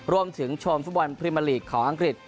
รวมถึงชมฟุตบอลพรีเมอร์ลีกของอังกฤษ